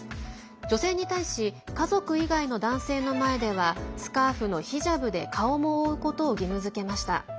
女性に対し家族以外の男性の前ではスカーフのヒジャブで顔を覆うことを義務づけました。